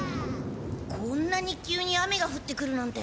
こんなに急に雨がふってくるなんて。